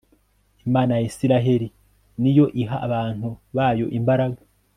imana ya israheli ni yo iha abantu bayoimbaraga